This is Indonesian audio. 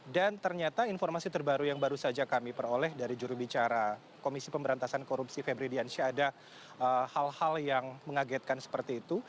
dan ternyata informasi terbaru yang baru saja kami peroleh dari jurubicara komisi pemberantasan korupsi febrile di ansi ada hal hal yang mengagetkan seperti itu